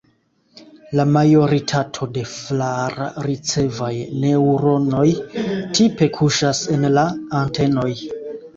La majoritato de flar-ricevaj neŭronoj tipe kuŝas en la antenoj.